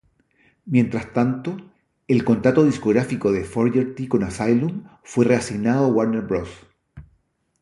Mientras tanto, el contrato discográfico de Fogerty con Asylum fue reasignado a Warner Bros.